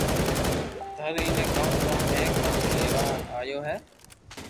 ٿارو ايئي ڪاؤ ڪوم ھي ڪاو ليوا آيا ھون